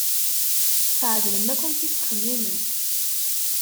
Tɛedlem akk amek i tettxemimem.